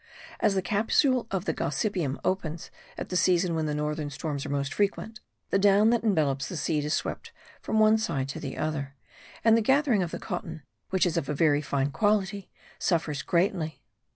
As the capsule of the Gossypium opens at the season when the northern storms are most frequent, the down that envelops the seed is swept from one side to the other; and the gathering of the cotton, which is of a very fine quality, suffers greatly.